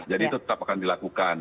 jadi itu tetap akan dilakukan